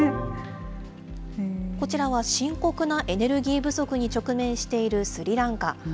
こちらは深刻なエネルギー不足に直面しているスリランカ。